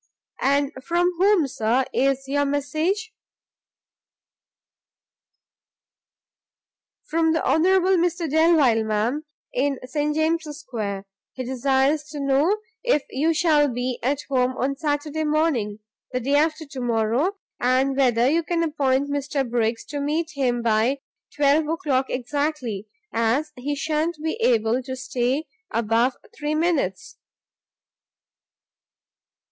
"And from whom, Sir, is your message?" "From the honourable Mr Delvile, madam, in St James's Square. He desires to know if you shall be at home on Saturday morning, the day after to morrow, and whether you can appoint Mr Briggs to meet him by twelve o'clock exactly, as he sha'n't be able to stay above three minutes."